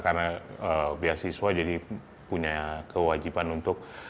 karena beasiswa jadi punya kewajiban untuk